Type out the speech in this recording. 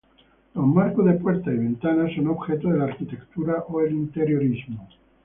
Los marcos de puertas y ventanas son objeto de la arquitectura o el interiorismo.